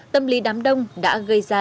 tâm lý đám đông đã gây ra